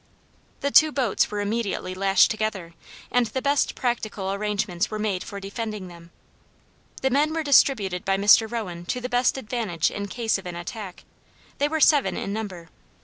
The two boats were immediately lashed together, and the best practical arrangements were made for defending them. The men were distributed by Mr. Rowan to the best advantage in case of an attack; they were seven in number.